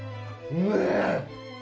うめえ！